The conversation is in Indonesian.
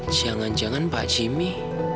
jangan jangan pak jimmy